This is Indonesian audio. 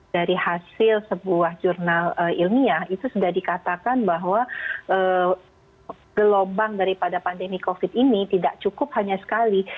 dari hasil sebuah jurnal ilmiah itu sudah dikatakan bahwa gelombang daripada pandemi covid ini tidak cukup hanya sekali